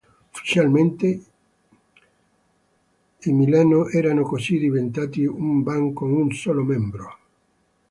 Ufficialmente, i Boston erano così diventati una band con un solo membro.